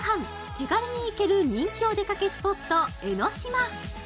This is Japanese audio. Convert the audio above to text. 手軽に行ける人気お出かけスポット・江の島。